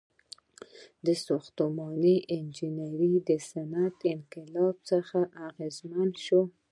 • ساختماني انجینري د صنعتي انقلاب څخه اغیزمنه شوه.